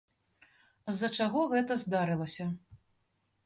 З-за чаго гэта здарылася?